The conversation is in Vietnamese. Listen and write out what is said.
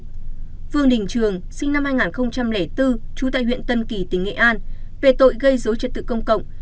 vương đình trường sinh năm hai nghìn bốn trú tại huyện tân kỳ tỉnh nghệ an về tội gây dối trật tự công cộng